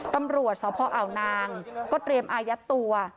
ตำรวจสพอ่าวนางก็เตรียมอายัดตัว